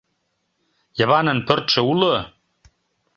Йыванын пӧртшӧ уло?